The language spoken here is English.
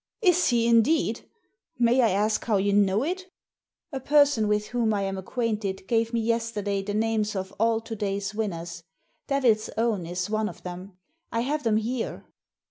Is he, indeed ? May I ask how you know it ?" ''A person with whom I am acquainted g^ve me yesterday the names of all to day's winners. Devil's Own is one of them. I have them here."